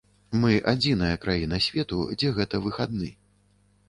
Мы адзіная краіна свету, дзе гэта выхадны.